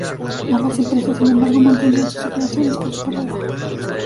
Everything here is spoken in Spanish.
Ambas empresas, sin embargo, mantendrían sus operaciones por separado.